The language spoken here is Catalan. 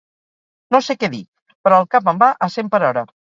No sé què dir, però el cap em va a cent per hora.